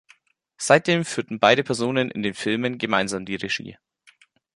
Seitdem führten beide Personen in den Filmen gemeinsam die Regie.